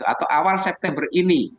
atau awal september ini